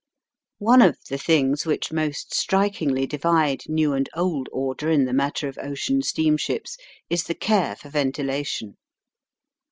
One of the things which most strikingly divide new and old order in the matter of ocean steamships is the care for ventilation.